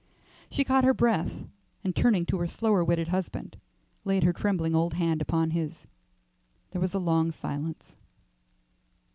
She caught her breath, and turning to her slower witted husband, laid her trembling old hand upon his. There was a long silence.